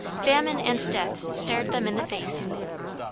Famine and death stared them in the face.